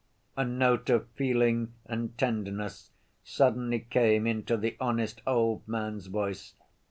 A note of feeling and tenderness suddenly came into the honest old man's voice.